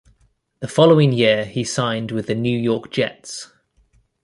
The following year, he signed with the New York Jets.